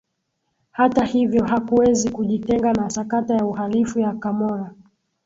Hata hivyo hakuwezi kujitenga na sakata ya uhalifu ya Camorra